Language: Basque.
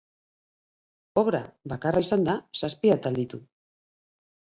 Obra, bakarra izanda, zazpi atal ditu.